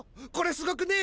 すごくね？